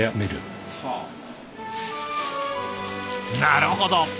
なるほど。